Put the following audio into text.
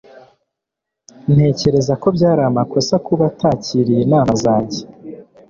Ntekereza ko byari amakosa kuba atakiriye inama zanjye.